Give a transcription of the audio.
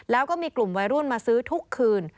แล้วก็มีกลุ่มวัยรุ่นมาซื้อทุกคืน